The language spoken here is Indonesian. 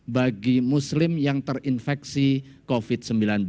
bagi muslim yang terinfeksi covid sembilan belas